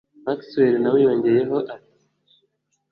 Maxwell nawe yongeyeho ati